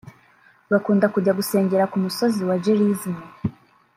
bakunda kujya gusengera ku musozi wa Gerizim